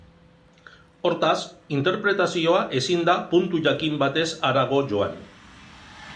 Hortaz, interpretazioa ezin da puntu jakin batez harago joan.